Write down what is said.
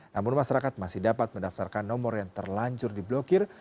namun masyarakat masih dapat mendaftarkan nomor yang terlancur diblokir